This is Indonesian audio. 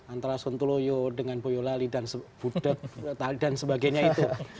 antara suntuloyo dengan boyolali dan budet dan sebagainya itu